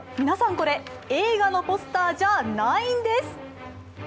皆さん、これ映画のポスターじゃないんです。